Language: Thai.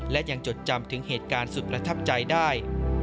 และยังจดจำถึงเหตุการณ์สุดประทับใจได้